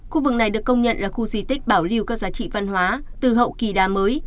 khu vực này được công nhận là khu di tích bảo lưu các giá trị văn hóa từ hậu kỳ đa mới